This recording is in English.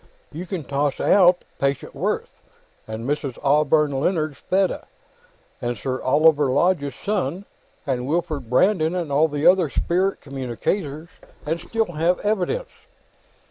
You can toss out Patience Worth, and Mrs. Osborne Leonard's Feda, and Sir Oliver Lodge's son, and Wilfred Brandon, and all the other spirit communicators, and you still have evidence."